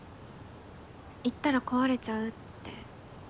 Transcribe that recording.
言ったら壊れちゃうって。